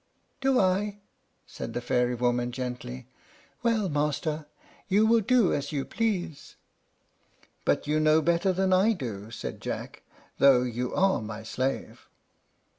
"Do I?" said the fairy woman, gently. "Well, master, you will do as you please." "But you know better than I do," said Jack, "though you are my slave."